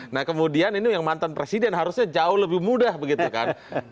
nah kemudian ini yang mantan presiden harusnya jauh lebih mudah begitu kan